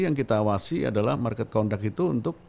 yang kita awasi adalah market conduct itu untuk